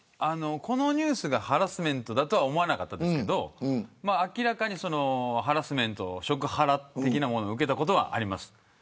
このニュースがハラスメントだとは思わなかったですけど明らかにハラスメント食ハラ的なものを受けたことはあります。